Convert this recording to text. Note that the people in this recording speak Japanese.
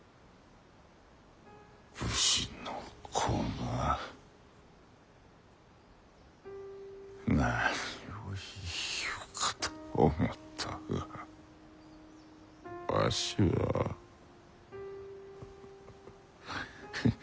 武士の子が何を言うかと思うたがわしは叱れなんだ。